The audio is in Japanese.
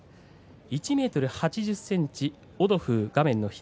１ｍ８０ｃｍ、オドフー画面の左。